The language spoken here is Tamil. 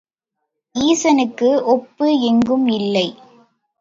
ஈசனுக்கு ஒப்பு எங்கும் இல்லை.